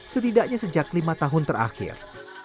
setidaknya sejak lima tahun terakhir